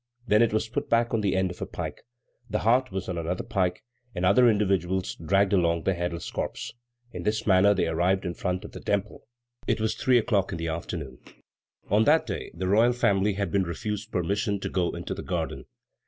Then it was put back on the end of a pike. The heart was on another pike, and other individuals dragged along the headless corpse. In this manner they arrived in front of the Temple. It was three o'clock in the afternoon. On that day the royal family had been refused permission to go into the garden.